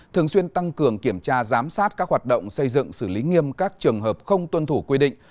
thường xuyên tăng cường kiểm tra giám sát các hoạt động xây dựng xử lý nghiêm các trường hợp không tuân thủ quy định